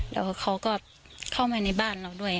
แล้วเขาก็เข้ามาในบ้านเราด้วย